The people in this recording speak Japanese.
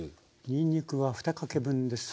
にんにくは２かけ分です。